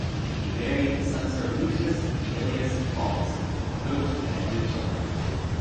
She married the censor Lucius Aemilius Paullus, with whom she had three children.